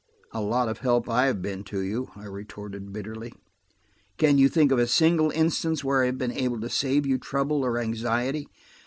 "A lot of help I have been to you," I retorted bitterly. "Can you think of a single instance where I have been able to save you trouble or anxiety?